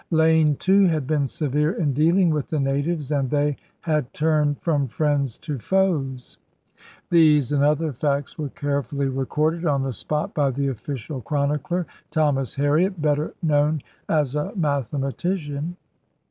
Lane, too, had been severe in dealing with the natives and they had turned from friends to foes. These and other facts were carefully recorded on the spot by / /I 212 ELIZABETHAN SEA DOGS the oflScial chronicler, Thomas Harriot, better known as a mathematician.